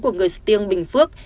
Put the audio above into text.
của người sư tiêng bình phước